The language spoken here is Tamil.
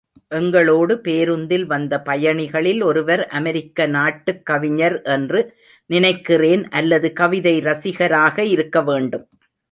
எங்களோடு பேருந்தில் வந்த பயணிகளில் ஒருவர் அமெரிக்க நாட்டுக் கவிஞர் என்று நினைக்கிறேன் அல்லது கவிதை ரசிகராக இருக்கவேண்டும்.